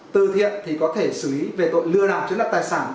từ thiện thì có thể xử lý về tội lừa đảo chứng đặt tài sản